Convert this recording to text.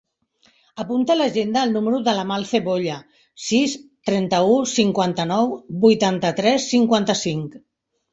Apunta a l'agenda el número de l'Amal Cebolla: sis, trenta-u, cinquanta-nou, vuitanta-tres, cinquanta-cinc.